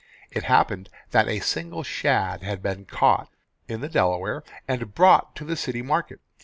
It happened that a single shad had been caught in the Delaware, and brought to the city market.